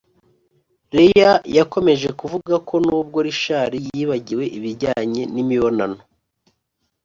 Lea yakomeje avuga ko nubwo Richard yibagiwe ibijyanye n’imibonano